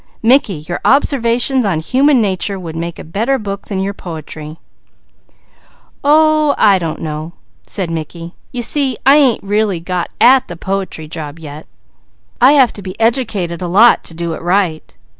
"Mickey, your observations on human nature would make a better book than your poetry." "Oh I don't know," said Mickey. "You see I ain't really got at the poetry job yet. I have to be educated a lot to do it right.